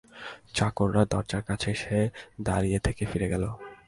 চাকররা দরজার কাছে এসে দাঁড়িয়ে থেকে ফিরে গেল।